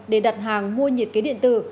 để đặt hàng mua nhiệt kế điện tử